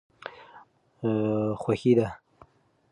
خوښي ده.